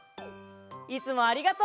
いつもありがとう！